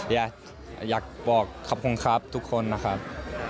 อยากบอกขอบคุณครับทุกคนนะครับ